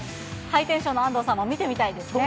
ハイテンションの安藤さんも見てみたいですね。